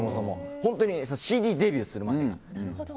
本当にＣＤデビューするまでが。